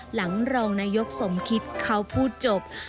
หลังรองนายกสมคิตเขาพูดจบ